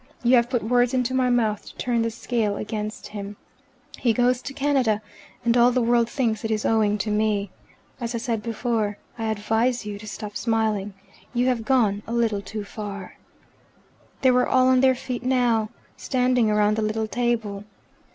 You have put words into my mouth to 'turn the scale' against him. He goes to Canada and all the world thinks it is owing to me. As I said before I advise you to stop smiling you have gone a little too far." They were all on their feet now, standing round the little table.